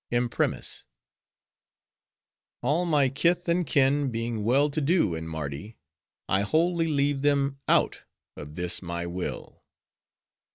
"'Imprimis: "'All my kith and kin being well to do in Mardi, I wholly leave them out of this my will.